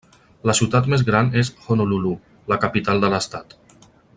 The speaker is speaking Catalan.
La ciutat més gran és Honolulu, la capital de l'estat.